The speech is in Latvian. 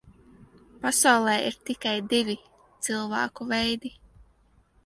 Pasaulē ir tikai divi cilvēku veidi.